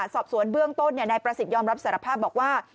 สอบสวนเบื้องต้นนายประสิทธิ์ยอมรับสารภาพบอกว่า